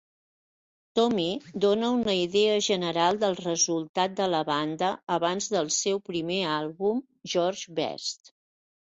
"Tommy" dona una idea general del resultat de la banda abans del seu primer àlbum "George Best".